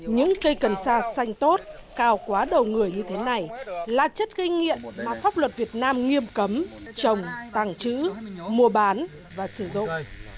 những cây cần sa xanh tốt cao quá đầu người như thế này là chất gây nghiện mà pháp luật việt nam nghiêm cấm trồng tăng chữ mua bán và sử dụng